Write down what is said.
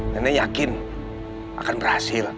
nenek yakin akan berhasil